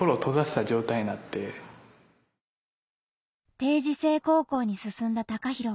定時制高校に進んだタカヒロ。